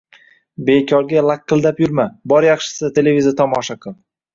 “Bekorga laqillab yurma, bor yaxshisi televizor tomosha qil.